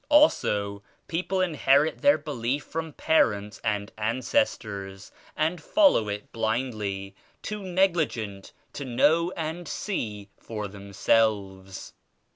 Also people inherit their belief from parents and ancestors and follow it blindly, too negligent to know and see for themselves.